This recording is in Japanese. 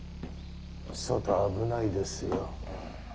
外危ないですよ。